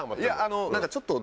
ちょっと。